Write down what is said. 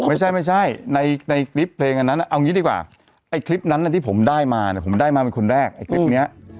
ไม่ใช่ไม่ใช่ในคลิปเพลงอันนั้นเอางี้ดีกว่าไอ้คลิปนั้นที่ผมได้มาเนี่ยผมได้มาเป็นคนแรกไอ้คลิปนี้